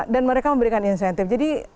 dan mereka memberikan insentif jadi